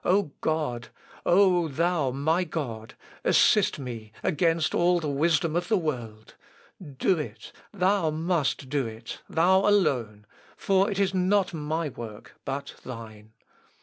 O God! O thou, my God! assist me against all the wisdom of the world! Do it: Thou must do it.... Thou alone ... for it is not my work, but Thine.